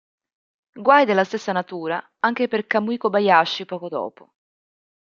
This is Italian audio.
Guai della stessa natura anche per Kamui Kobayashi poco dopo.